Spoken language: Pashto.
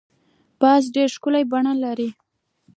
باز ډېر ښکلی بڼ لري